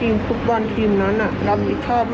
ไปฟังเสียงผู้เสียหายแล้วก็ผู้จัดงานกันสักนิดหนึ่งนะครับ